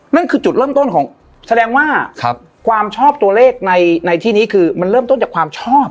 นั่นคือจุดเริ่มต้นของแสดงว่าความชอบตัวเลขในที่นี้คือมันเริ่มต้นจากความชอบ